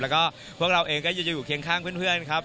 แล้วก็พวกเราเองก็จะอยู่เคียงข้างเพื่อนครับ